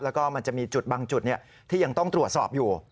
แล้วก็มันจะมีจุดบางจุดที่ยังต้องตรวจสอบอยู่